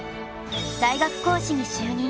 大学講師に就任。